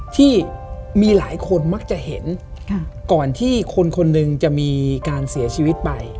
ที่มีหลายคนมักจะเห็นก่อนที่คนคนหนึ่งจะมีการเสียชีวิตไป